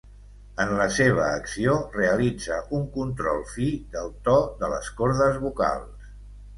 En la seva acció realitza un control fi del to de les cordes vocals.